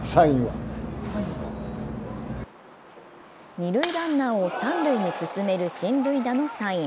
二塁ランナーを三塁に進める進塁打のサイン。